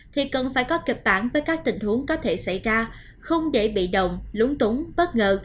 thì cần phải có kịch bản với các tình huống có thể xảy ra không để bị động lúng túng bất ngờ